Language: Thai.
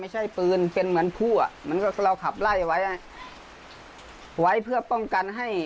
จริงมันคือพลุค่ะ